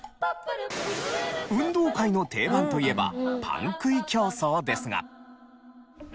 運動会の定番といえばパン食い競走ですが。